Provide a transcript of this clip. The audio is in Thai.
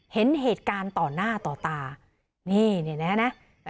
เห็นเหตุการณ์ต่อหน้าต่อตานี่นี่นะฮะ